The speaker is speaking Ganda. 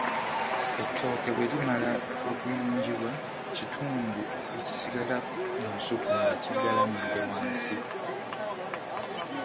Ettooke bwe limala okuyunjibwa, kitundu ekisigala mu lusuku nga kigalamidde wansi?